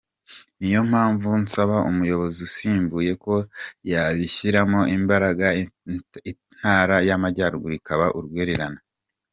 Niyo mpamvu nsaba umuyobozi unsimbuye ko yabishyiramo imbaraga intara y’amajyaruguru ikaba urwererane”.